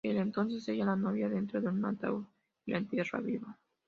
Él entonces sella a la Novia dentro de un ataúd y la entierra viva.